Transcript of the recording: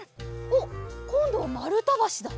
おっこんどはまるたばしだ。